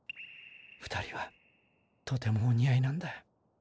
２人はとてもお似合いなんだ。